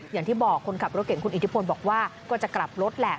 อย่างที่บอกคนขับรถเก่งคุณอิทธิพลบอกว่าก็จะกลับรถแหละ